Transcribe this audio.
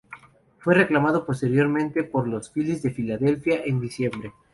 Fue reclamado posteriormente por los Filis de Filadelfia en diciembre.